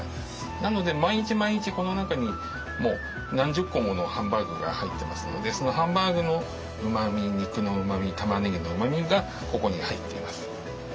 なので毎日毎日この中に何十個ものハンバーグが入ってますのでそのハンバーグのうまみ肉のうまみたまねぎのうまみがここに入っています。